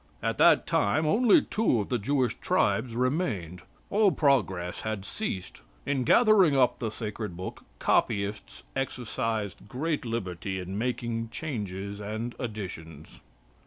At that time only two of the Jewish tribes remained. All progress had ceased. In gathering up the sacred book, copyists exercised great liberty in making changes and additions."